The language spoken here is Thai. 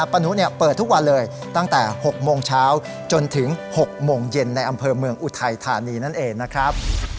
ป้านุเปิดทุกวันเลยตั้งแต่๖โมงเช้าจนถึง๖โมงเย็นในอำเภอเมืองอุทัยธานีนั่นเองนะครับ